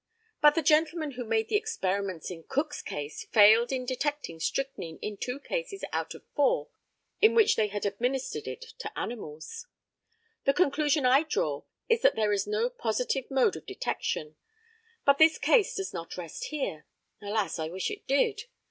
But the gentlemen who made the experiments in Cook's case failed in detecting strychnine in two cases out of four in which they had administered it to animals. The conclusion I draw is that there is no positive mode of detection. But this case does not rest here. Alas, I wish it did!